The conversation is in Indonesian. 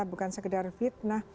bukan sekedar fitnah